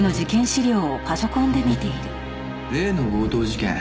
例の強盗事件犯人